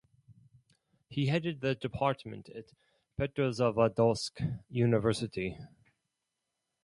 He headed the department at Petrozavodsk University.